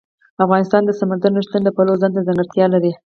افغانستان د سمندر نه شتون د پلوه ځانته ځانګړتیا لري.